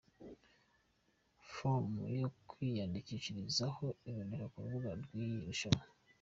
Form yo kwiyandikishirizaho iboneka ku rubuga rw'iri rushanwa.